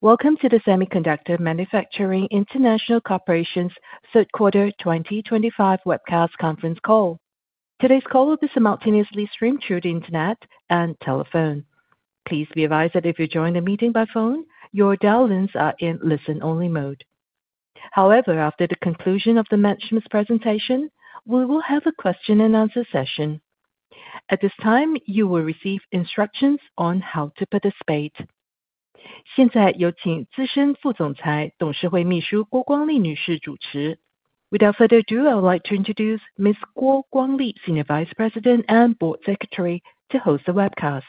Welcome to the Semiconductor Manufacturing International Caspar Coppetti's Third Quarter 2025 webcast conference call. Today's call will be simultaneously streamed through the Internet and telephone. Please be advised that if you're joining the meeting by phone, your dial-ins are in listen-only mode. However, after the conclusion of the mentioned presentation, we will have a question-and-answer session. At this time, you will receive instructions on how to participate. 现在由请资深副总裁董事会秘书郭光丽女士主持。Without further ado, I would like to introduce Ms. Guo Guangli, Senior Vice President and Board Secretary, to host the webcast.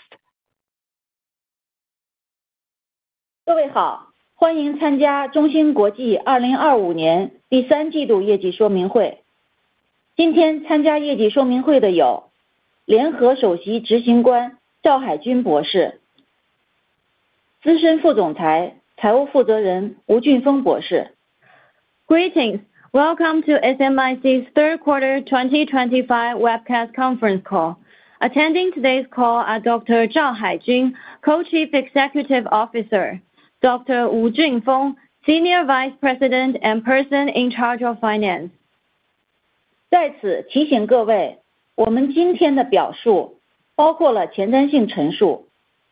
各位好，欢迎参加中芯国际2025年第三季度业绩说明会。今天参加业绩说明会的有联合首席执行官赵海军博士、资深副总裁财务负责人吴俊峰博士。Greetings, welcome to SMIC's Third Quarter 2025 webcast conference call. Attending today's call are Dr. Zhao Hai Jun, Co-Chief Executive Officer; Dr. Wu Junfeng, Senior Vice President and Person in Charge of Finance.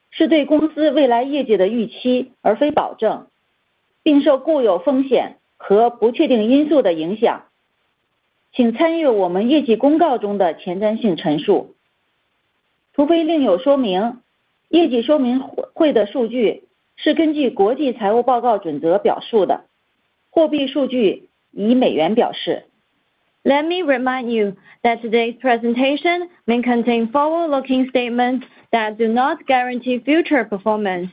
在此提醒各位，我们今天的表述包括了前瞻性陈述，是对公司未来业绩的预期而非保证，并受固有风险和不确定因素的影响。请参与我们业绩公告中的前瞻性陈述。除非另有说明，业绩说明会的数据是根据国际财务报告准则表述的，货币数据以美元表示。Let me remind you that today's presentation may contain forward-looking statements that do not guarantee future performance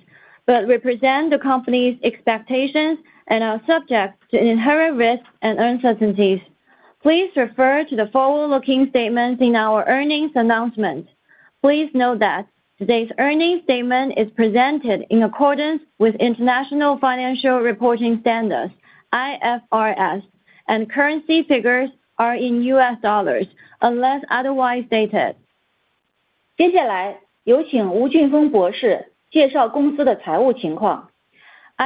but represent the company's expectations and are subject to inherent risks and uncertainties. Please refer to the forward-looking statements in our earnings announcement. Please note that today's earnings statement is presented in accordance with International Financial Reporting Standards (IFRS), and currency figures are in US dollars unless otherwise stated. 接下来有请吴俊峰博士介绍公司的财务情况。I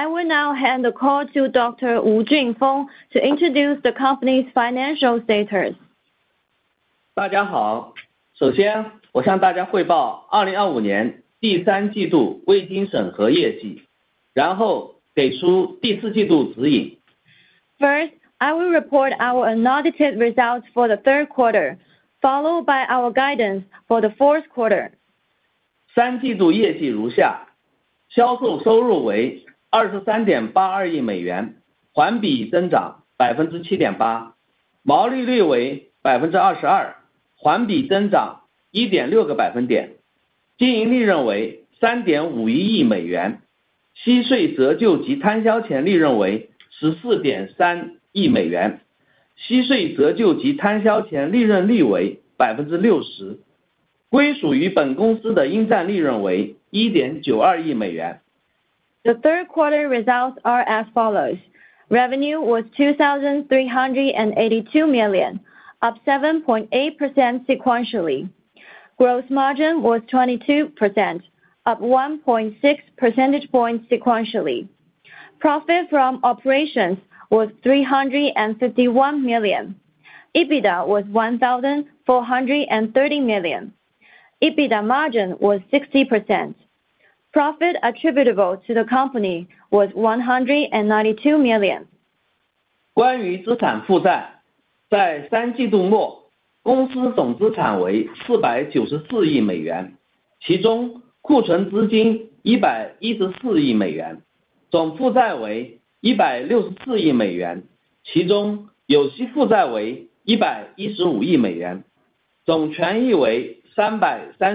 will now hand the call to Dr. Wu Junfeng to introduce the company's financial status. 大家好，首先我向大家汇报2025年第三季度未经审核业绩，然后给出第四季度指引。First, I will report our annotated results for the third quarter, followed by our guidance for the fourth quarter. The third quarter results are as follows: Revenue was $2,382 million, up 7.8% sequentially; gross margin was 22%, up 1.6 percentage points sequentially; profit from operations was $351 million; EBITDA was $1,430 million; EBITDA margin was 60%; profit attributable to the company was $192 million. 关于资产负债，在三季度末，公司总资产为$494亿美元，其中库存资金$114亿美元，总负债为$164亿美元，其中有息负债为$115亿美元，总权益为$331亿美元。有息债务权益比为34.8%，净债务权益比为0.4%。Moving to the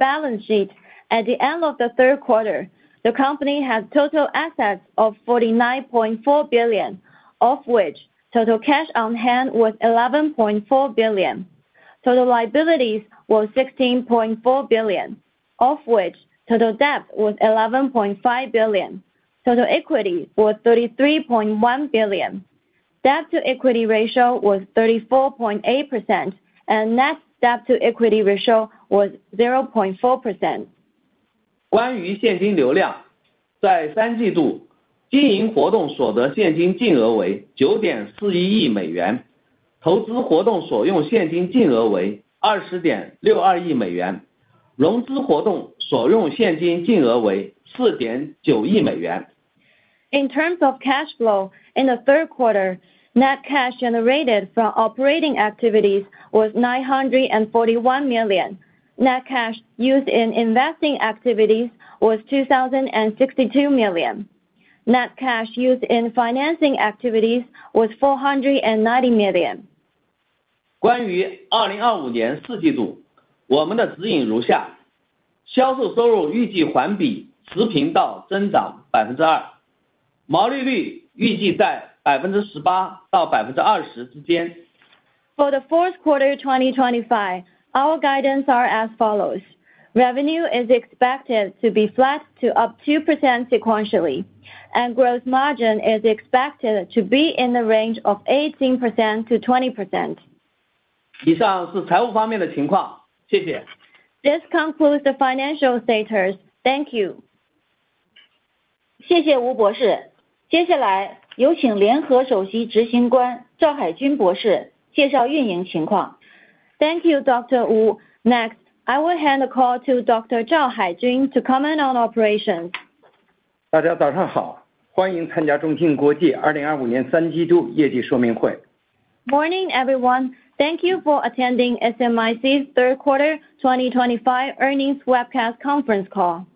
balance sheet, at the end of the third quarter, the company had total assets of $49.4 billion, of which total cash on hand was $11.4 billion; total liabilities were $16.4 billion, of which total debt was $11.5 billion; total equity was $33.1 billion; debt-to-equity ratio was 34.8%, and net debt-to-equity ratio was 0.4%. 关于现金流量，在三季度经营活动所得现金净额为$9.41亿美元，投资活动所用现金净额为$20.62亿美元，融资活动所用现金净额为$4.9亿美元。In terms of cash flow, in the third quarter, net cash generated from operating activities was $941 million; net cash used in investing activities was $2.062 billion; net cash used in financing activities was $490 million. 关于2025年第四季度，我们的指引如下：销售收入预计环比持平到增长2%，毛利率预计在18%到20%之间。For the fourth quarter 2025, our guidance are as follows: Revenue is expected to be flat to up 2% sequentially, and gross margin is expected to be in the range of 18% to 20%. 以上是财务方面的情况，谢谢。This concludes the financial status. Thank you. 谢谢吴博士。接下来有请联合首席执行官赵海军博士介绍运营情况。Thank you, Dr. Wu. Next, I will hand the call to Dr. Zhao Haijun to comment on operations. 大家早上好，欢迎参加中芯国际2025年三季度业绩说明会。Good morning, everyone. Thank you for attending SMIC's Third Quarter 2025 earnings webcast conference call.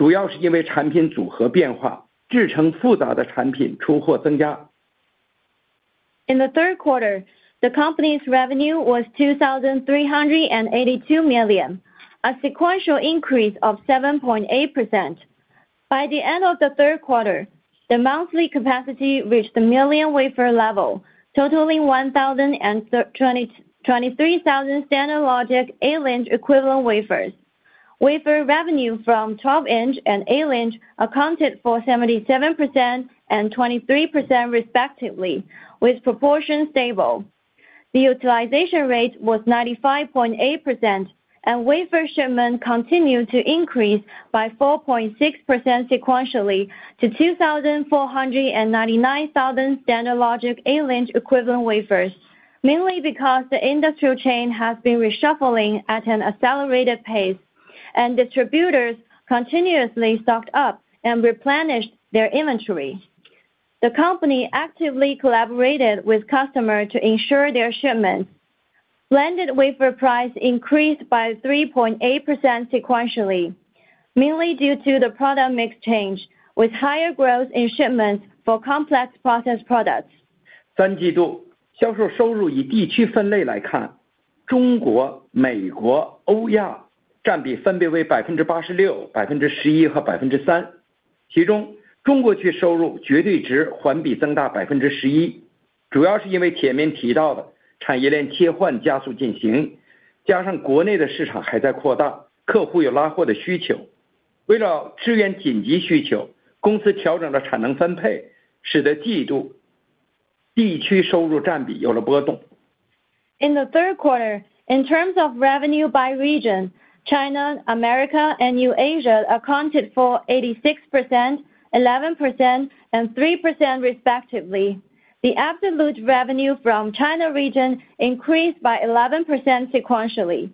In the third quarter, the company's revenue was $2,382 million, a sequential increase of 7.8%. By the end of the third quarter, the monthly capacity reached the million wafer level, totaling 1,023,000 standard logic 8-inch equivalent wafers. Wafer revenue from 12-inch and 8-inch accounted for 77% and 23% respectively, with proportions stable. The utilization rate was 95.8%, and wafer shipment continued to increase by 4.6% sequentially to 2,499,000 standard logic 8-inch equivalent wafers, mainly because the industrial chain has been reshuffling at an accelerated pace, and distributors continuously stocked up and replenished their inventory. The company actively collaborated with customers to ensure their shipments. Blended wafer price increased by 3.8% sequentially, mainly due to the product mix change, with higher growth in shipments for complex process products. 三季度销售收入以地区分类来看，中国、美国、欧亚占比分别为86%、11%和3%，其中中国区收入绝对值环比增大11%，主要是因为前面提到的产业链切换加速进行，加上国内的市场还在扩大，客户有拉货的需求。为了支援紧急需求，公司调整了产能分配，使得季度地区收入占比有了波动。In the third quarter, in terms of revenue by region, China, America, and New Asia accounted for 86%, 11%, and 3% respectively. The absolute revenue from China region increased by 11% sequentially,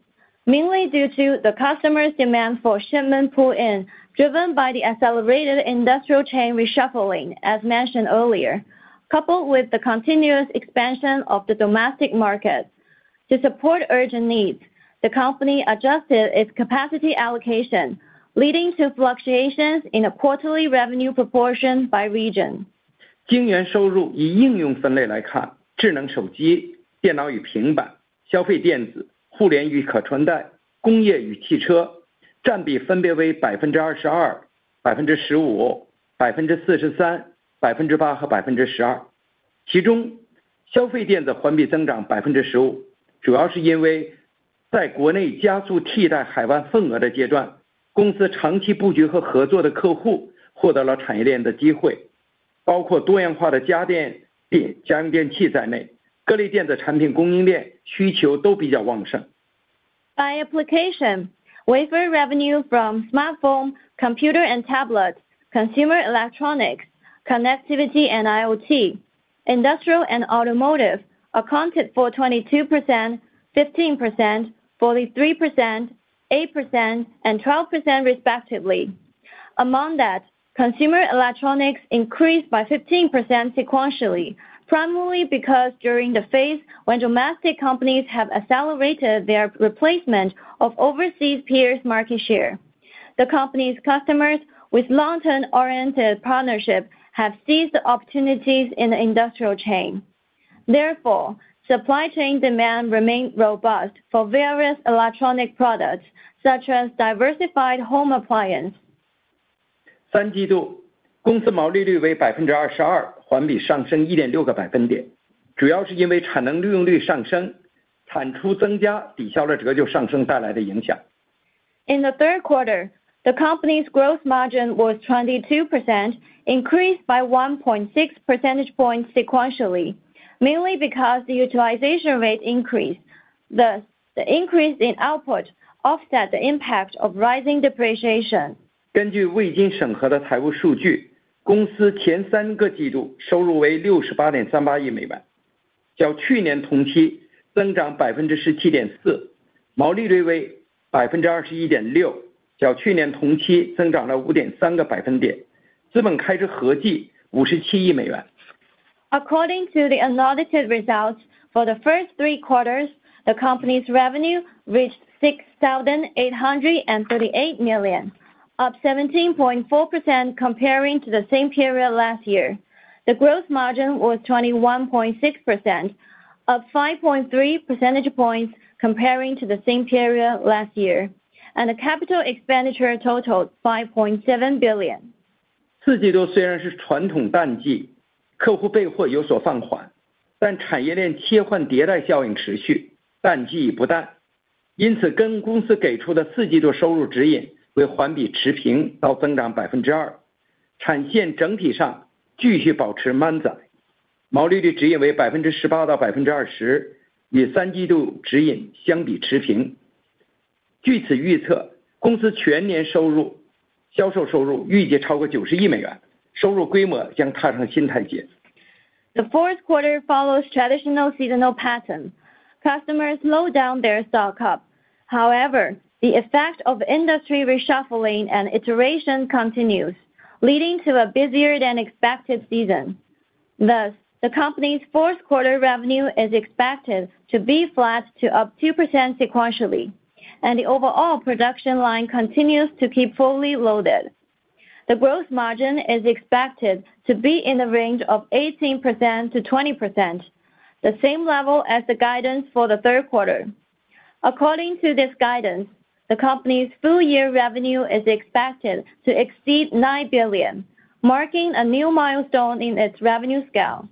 mainly due to the customers' demand for shipment pull-in, driven by the accelerated industrial chain reshuffling, as mentioned earlier, coupled with the continuous expansion of the domestic market. To support urgent needs, the company adjusted its capacity allocation, leading to fluctuations in quarterly revenue proportion by region. 晶圆收入以应用分类来看，智能手机、电脑与平板、消费电子、互联与可穿戴、工业与汽车，占比分别为22%、15%、43%、8%和12%。其中消费电子环比增长15%，主要是因为在国内加速替代海外份额的阶段，公司长期布局和合作的客户获得了产业链的机会，包括多样化的家电、家用电器在内，各类电子产品供应链需求都比较旺盛。By application, wafer revenue from smartphone, computer, and tablet, consumer electronics, connectivity, and IoT, industrial and automotive accounted for 22%, 15%, 43%, 8%, and 12% respectively. Among that, consumer electronics increased by 15% sequentially, primarily because during the phase when domestic companies have accelerated their replacement of overseas peers' market share. The company's customers, with long-term oriented partnership, have seized the opportunities in the industrial chain. Therefore, supply chain demand remained robust for various electronic products, such as diversified home appliances. 三季度，公司毛利率为22%，环比上升1.6个百分点，主要是因为产能利用率上升，产出增加抵消了折旧上升带来的影响。In the third quarter, the company's gross margin was 22%, increased by 1.6 percentage points sequentially, mainly because the utilization rate increased. The increase in output offset the impact of rising depreciation. 根据未经审核的财务数据，公司前三个季度收入为$68.38亿美元，较去年同期增长17.4%；毛利率为21.6%，较去年同期增长了5.3个百分点；资本开支合计$57亿美元。According to the annotated results, for the first three quarters, the company's revenue reached $6.838 billion, up 17.4% compared to the same period last year. The gross margin was 21.6%, up 5.3 percentage points compared to the same period last year, and the capital expenditure totaled $5.7 billion. The fourth quarter follows traditional seasonal pattern. Customers slowed down their stock up. However, the effect of industry reshuffling and iteration continues, leading to a busier than expected season. Thus, the company's fourth quarter revenue is expected to be flat to up 2% sequentially, and the overall production line continues to keep fully loaded. The gross margin is expected to be in the range of 18% to 20%, the same level as the guidance for the third quarter. According to this guidance, the company's full year revenue is expected to exceed $9 billion, marking a new milestone in its revenue scale.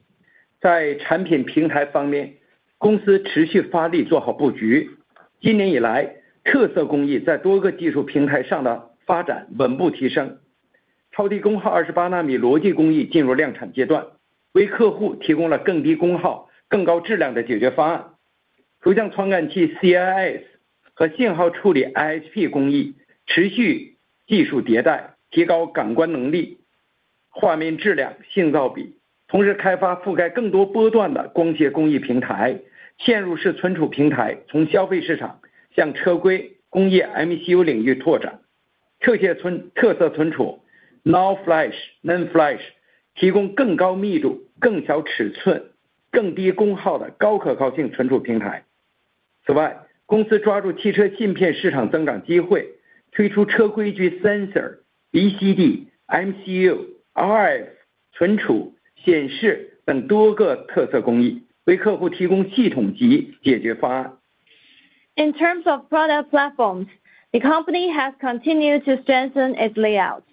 在产品平台方面，公司持续发力做好布局，今年以来特色工艺在多个技术平台上的发展稳步提升。超低功耗28纳米逻辑工艺进入量产阶段，为客户提供了更低功耗、更高质量的解决方案。如像传感器CIS和信号处理ISP工艺，持续技术迭代，提高感官能力、画面质量、信噪比。同时开发覆盖更多波段的光学工艺平台，嵌入式存储平台从消费市场向车规、工业MCU领域拓展。特色存储NorFlash、NandFlash提供更高密度、更小尺寸、更低功耗的高可靠性存储平台。此外，公司抓住汽车芯片市场增长机会，推出车规G Sensor、BCD、MCU、RF存储、显示等多个特色工艺，为客户提供系统级解决方案。In terms of product platforms, the company has continued to strengthen its layout.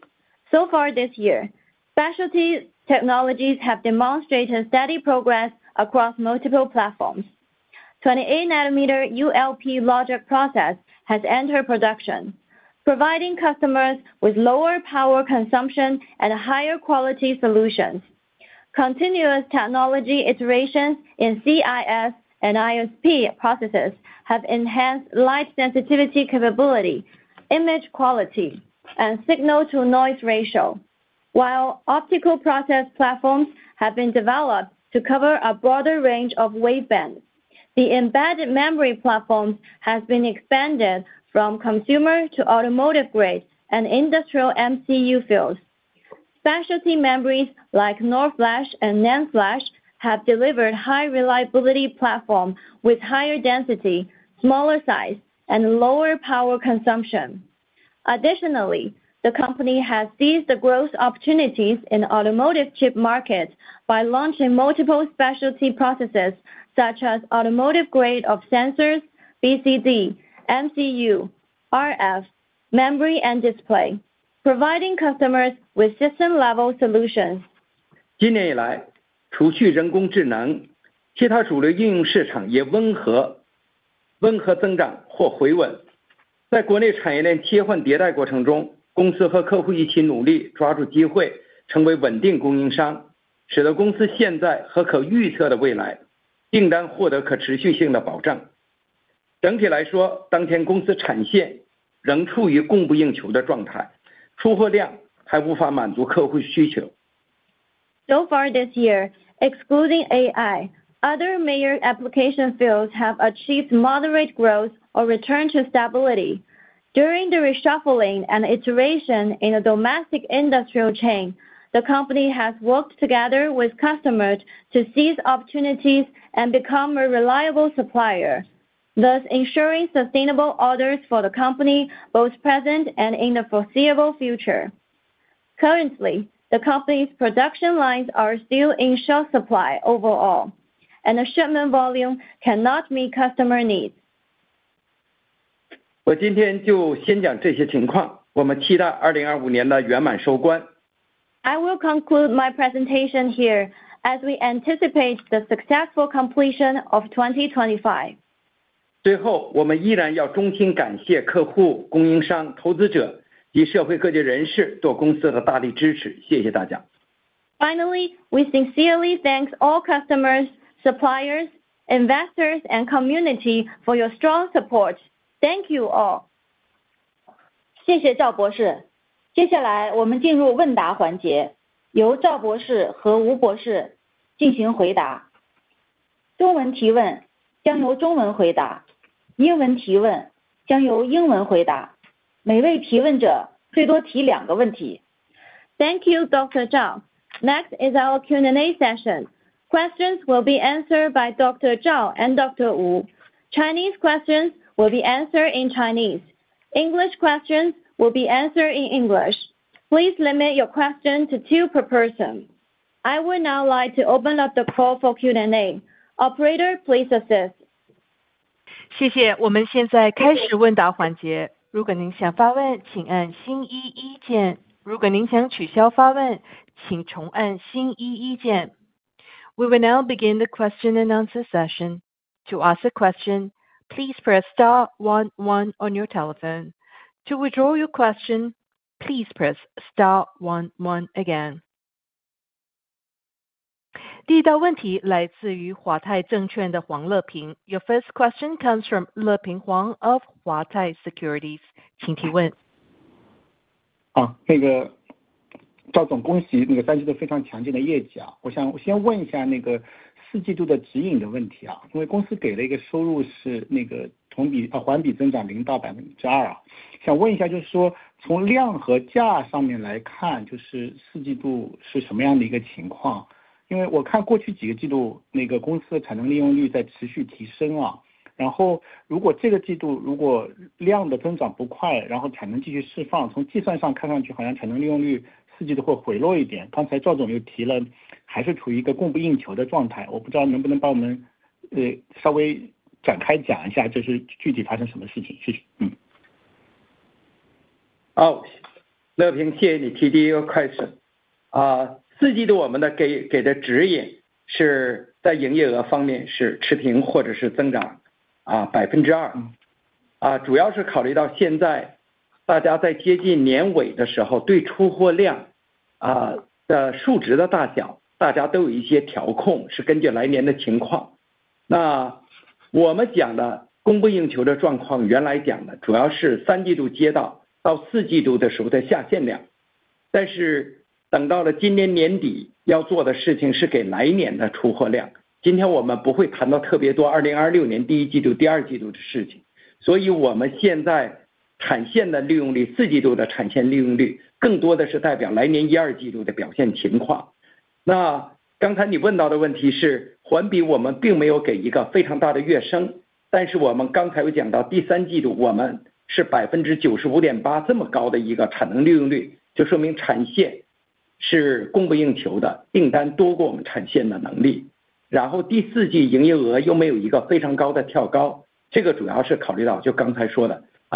So far this year, specialty technologies have demonstrated steady progress across multiple platforms. 28-nanometer ULP logic process has entered production, providing customers with lower power consumption and higher quality solutions. Continuous technology iterations in CIS and ISP processes have enhanced light sensitivity capability, image quality, and signal-to-noise ratio, while optical process platforms have been developed to cover a broader range of wavebands. The embedded memory platforms have been expanded from consumer to automotive grade and industrial MCU fields. Specialty memories like NorFlash and NandFlash have delivered high reliability platforms with higher density, smaller size, and lower power consumption. Additionally, the company has seized the growth opportunities in automotive chip markets by launching multiple specialty processes such as automotive grade sensors, BCD, MCU, RF memory, and display, providing customers with system-level solutions. 今年以来，除去人工智能，其他主流应用市场也温和增长或回稳。在国内产业链切换迭代过程中，公司和客户一起努力抓住机会，成为稳定供应商，使得公司现在和可预测的未来订单获得可持续性的保障。整体来说，当前公司产线仍处于供不应求的状态，出货量还无法满足客户需求。So far this year, excluding AI, other major application fields have achieved moderate growth or returned to stability. During the reshuffling and iteration in the domestic industrial chain, the company has worked together with customers to seize opportunities and become a reliable supplier, thus ensuring sustainable orders for the company both present and in the foreseeable future. Currently, the company's production lines are still in short supply overall, and the shipment volume cannot meet customer needs. 我今天就先讲这些情况，我们期待2025年的圆满收官。I will conclude my presentation here as we anticipate the successful completion of 2025. 最后，我们依然要衷心感谢客户、供应商、投资者及社会各界人士对公司的大力支持，谢谢大家。Finally, we sincerely thank all customers, suppliers, investors, and community for your strong support. Thank you all. 谢谢赵博士。接下来我们进入问答环节，由赵博士和吴博士进行回答。中文提问将由中文回答，英文提问将由英文回答。每位提问者最多提两个问题。Thank you, Dr. Zhao. Next is our Q&A session. Questions will be answered by Dr. Zhao and Dr. Wu. Chinese questions will be answered in Chinese. English questions will be answered in English. Please limit your question to two per person. I would now like to open up the call for Q&A. Operator, please assist. 谢谢，我们现在开始问答环节。如果您想发问，请按星一一键。如果您想取消发问，请重按星一一键。We will now begin the question and answer session. To ask a question,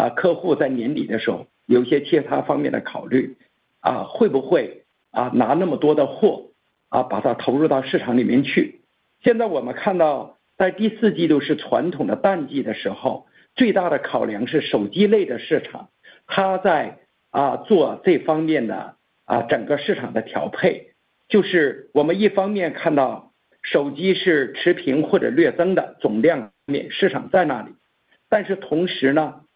啊非常清楚啊，谢谢吴总啊，我没有其他问题了。好，谢谢快件。谢谢，下一道问题来自于中兴证券的王子源。Your next question comes from Ziyuan Wang of Zhongxing Securities. 请提问。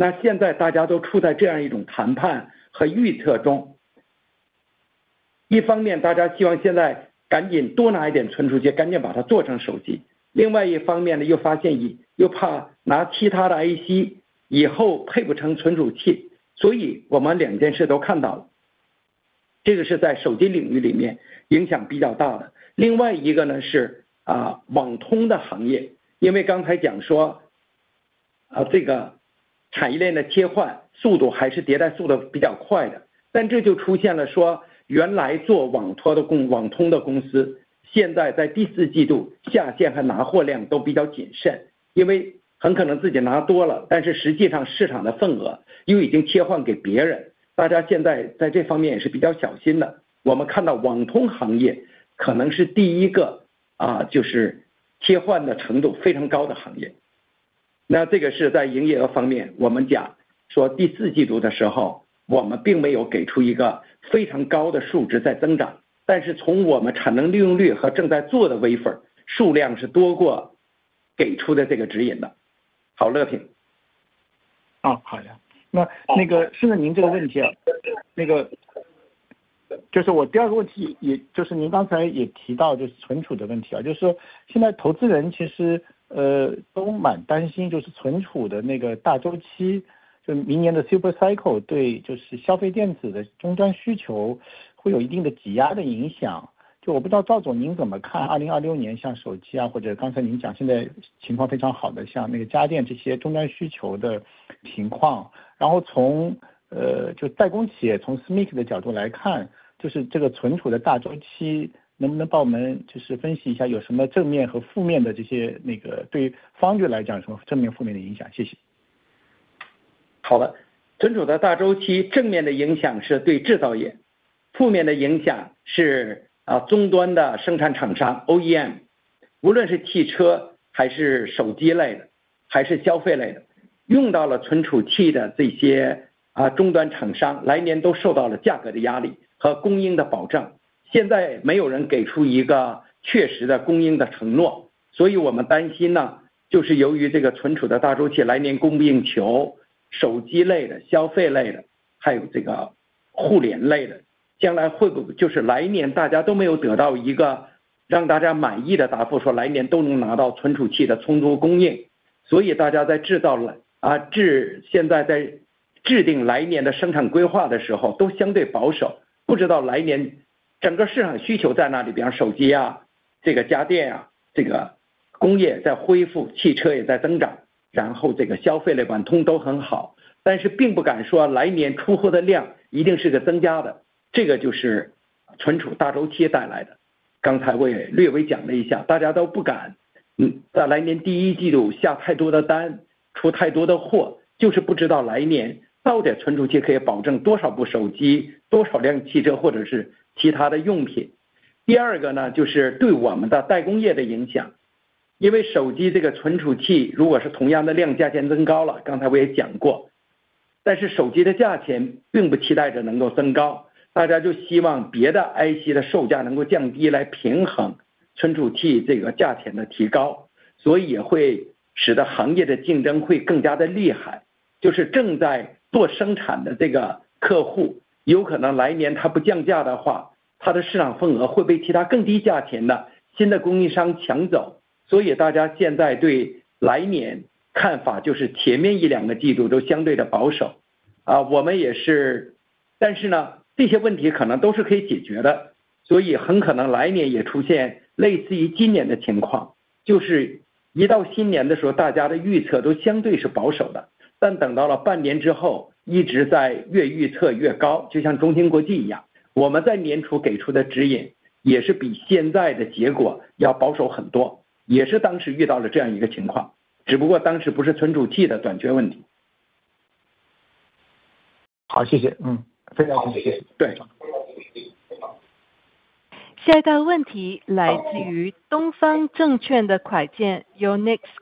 好的，子源啊，讲一讲这个手机占比下降的问题。在中芯国际整个营业额有幅度比较大的成长的时候，手机的相对值是下降的百分比，那原因主要有两点。一点是手机的备货一般比较大宗的，在中芯国际产能供不应求和有急单的时候，我们做了调整，把一部分手机的单子，反正早出一点晚出一点，总量价钱都早都确定了，我们就推迟了。比方说中芯国际在模拟电路这个地方供不应求的时候，我们把PMIC的量，总量不变的情况下，但是不是在这个季度出，就把它推迟到稍稍和缓一点，把一些急单提前出了，我们也得到了客户的同意和谅解。那这是第一件事。第二件事是我们看到了这个行业的竞争，像CMOS Image Sensor CIS和LCD Driver这个竞争产品切换，客户切换的速度非常快，那这都是季节性的，所以我们中芯国际做的LCD Driver的，包括AMOLED Driver、OLED Driver、DDIC、Touch IC等等相关的这个部分，那也不是每个季度都是拿到的订单是在所有客户里面最多的，可能在这个季度，那别人的新手机一年两次，可能就别人的客户的产品就选的多一点，那个客户不是中芯国际的，可能下一次手机他发布的时候，那我们现在的这个客户就拿到份额多一点，所以手机成像的是一种季节性的起伏，由于他的供应商比较多，所以OEM就是终端的手机制造商，实际是平衡了各种不同供应商他的市场份额和总量，所以我们就看到了这样的调整CIS和LCD 第二个就是咱们说的NB-IoT，CAT-1这种就是利用这个通讯网络变化低的网络来进行定位的这些东西，尤其CAT-1现在这个需求就是高的，比方说国家规定所有的电动自行车必须得装CAT-1，然后你那个汽车的三脚架也必须得装CAT-1，因为你只要这个就可以精准的定位你停到了什么地方，或者高速公路哪里前面有问题，对吧？那这些都是产业界的增量，再加上原来大家就做的比较好的，各方面都是不错的，也都继续维持，像TWS耳机，OWS耳机，这些花样WiFi，也都是在持续增长的，各方面看起来都是不错。Your next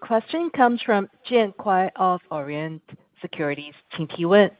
question comes from Tianzi Fu of Everbright Securities请提问。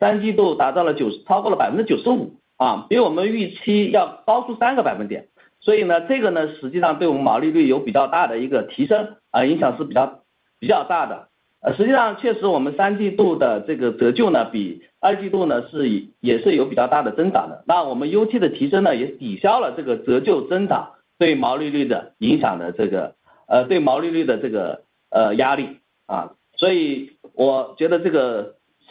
Imager Sensor、RCD Driver，我们都明显的看到中芯国际客户在市场在OEM终端那边占的百分比都在今年提高了很多，以后还会有成长，这个是可持续的。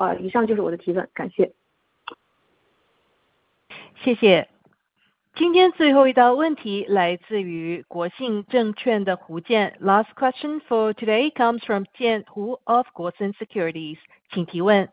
Last question for today comes from Jian Hu of Guosen Securities，请提问。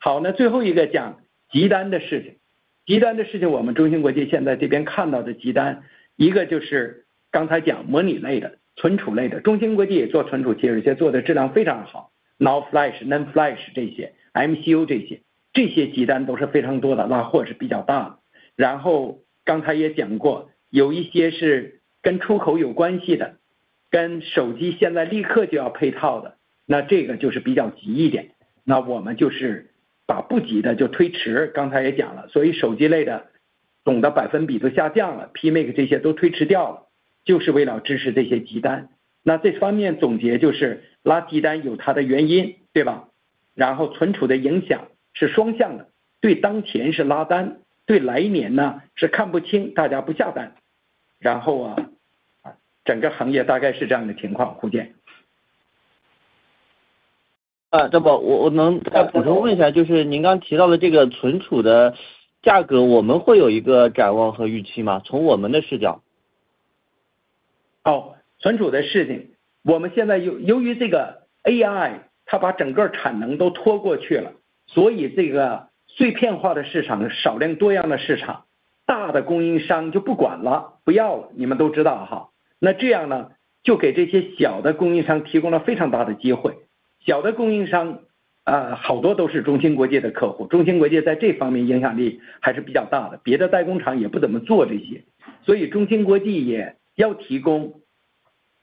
好那最后一个讲急单的事情，急单的事情我们中芯国际现在这边看到的急单，一个就是刚才讲模拟类的、存储类的，中芯国际也做存储器，而且做的质量非常好，NOR Flash、NAND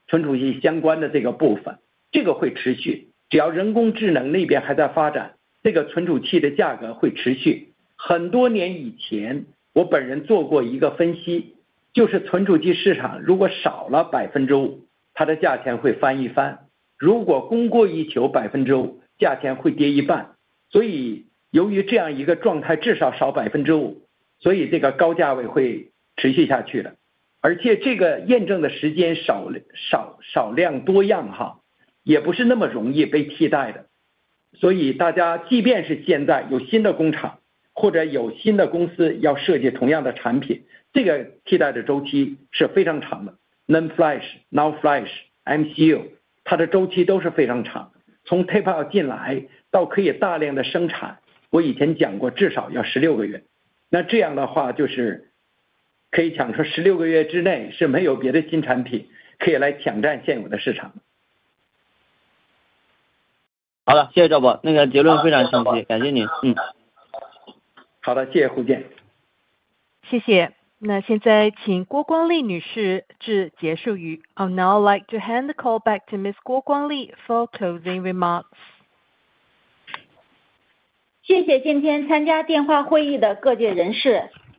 好存储的事情，我们现在由于这个AI它把整个产能都拖过去了，所以这个碎片化的市场，少量多样的市场，大的供应商就不管了，不要了，你们都知道。那这样呢就给这些小的供应商提供了非常大的机会，小的供应商好多都是中芯国际的客户，中芯国际在这方面影响力还是比较大的，别的代工厂也不怎么做这些，所以中芯国际也要提供存储器相关的这个部分，这个会持续，只要人工智能那边还在发展，这个存储器的价格会持续。很多年以前我本人做过一个分析，就是存储器市场如果少了5%，它的价钱会翻一番，如果供过于求5%，价钱会跌一半，所以由于这样一个状态至少少5%，所以这个高价位会持续下去的，而且这个验证的时间少量多样，也不是那么容易被替代的，所以大家即便是现在有新的工厂或者有新的公司要设计同样的产品，这个替代的周期是非常长的，NEM Flash、NOW Flash、MCU它的周期都是非常长，从TYPO进来到可以大量的生产，我以前讲过至少要16个月，那这样的话就是可以讲说16个月之内是没有别的新产品可以来抢占现有的市场。好的，谢谢赵博，那个结论非常清晰，感谢您。好的，谢谢胡建。谢谢，那现在请郭光利女士致结束语。I'll now like to hand the call back to Ms. Guo Guangli for closing remarks.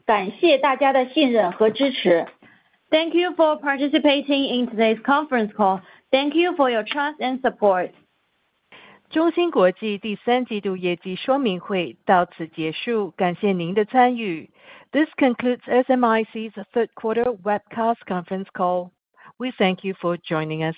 谢谢今天参加电话会议的各界人士，感谢大家的信任和支持。Thank you for participating in today's conference call. Thank you for your trust and support. 中芯国际第三季度业绩说明会到此结束，感谢您的参与。This concludes SMIC's third quarter webcast conference call. We thank you for joining us.